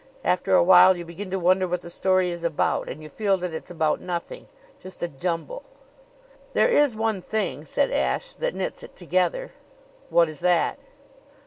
After a while you begin to wonder what the story is about, and you feel that it's about nothing just a jumble." "There is one thing," said Ashe, "that knits it together." "What is that?"